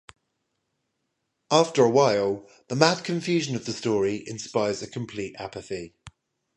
After a while, the mad confusion of the story inspires a complete apathy.